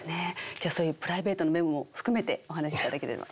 今日はそういうプライベートの面も含めてお話ししていただければ。